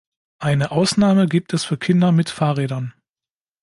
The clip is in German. Eine Ausnahme gibt es für Kinder mit Fahrrädern.